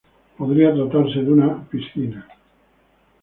Podría tratarse de una piscina.